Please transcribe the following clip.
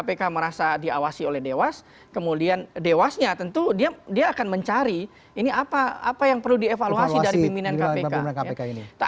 kpk merasa diawasi oleh dewas kemudian dewasnya tentu dia akan mencari ini apa yang perlu dievaluasi dari pimpinan kpk